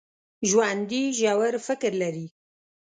ژوندي ژور فکر لري